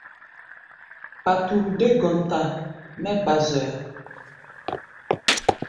Paturu dé gɔnta mɛ́ ba zoya.